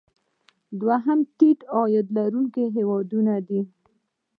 دوهم د ټیټ عاید لرونکي هیوادونه دي.